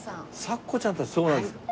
サッコちゃんたちそうなんですか。